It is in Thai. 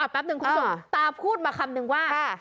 อะแป๊บหนึ่งอะตาฟูดมาคำดึงว่าเอ้ย